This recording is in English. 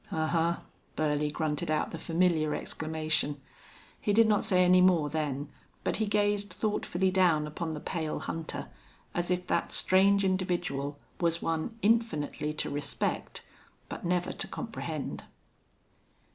"Ahuh!" Burley grunted out the familiar exclamation. He did not say any more then, but he gazed thoughtfully down upon the pale hunter, as if that strange individual was one infinitely to respect, but never to comprehend.